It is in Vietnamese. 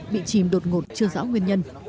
bị chìm đột ngột chưa rõ nguyên nhân